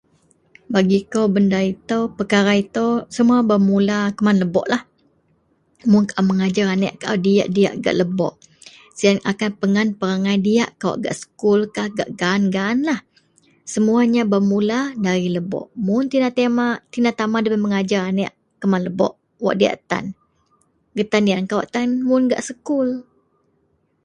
Bagi kou benda itou perkara itou semua bermula kuman leboklah. Mun kaau mengajar anek kaau diyak-diyak gak lebok siyen akan pengan perangai diyak kawak gak sekulkah gak gaan-gaanlah. Semuanya bermula dari lebok mun tina-tama debei mengajar anek kuman lebok wak diyak tan getan iyen kawak mun gak sekul.